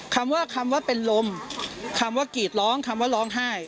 คำว่าคำว่าเป็นลมคำว่ากรีดร้องคำว่าร้องไห้